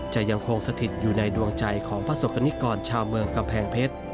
จะยังคงสถิตอยู่ในดวงใจของประสบกรณิกรชาวเมืองกำแพงเพชร